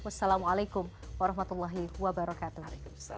wassalamualaikum warahmatullahi wabarakatuh